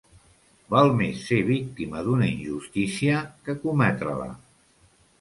Val més ser víctima d'una injustícia que cometre-la.